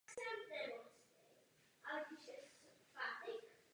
Nestalo se tak z důvodu, který jsem vám sdělil.